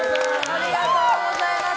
ありがとうございます！